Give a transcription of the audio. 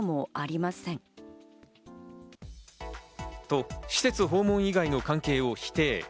と、施設訪問以外の関係を否定。